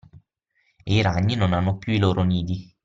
E i ragni non hanno più i loro nidi